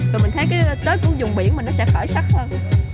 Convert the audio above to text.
rồi mình thấy cái tết cũng dùng biển mà nó sẽ khởi sắc hơn